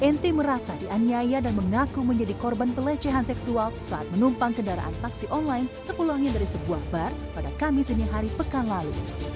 nt merasa dianiaya dan mengaku menjadi korban pelecehan seksual saat menumpang kendaraan taksi online sepulangnya dari sebuah bar pada kamis dini hari pekan lalu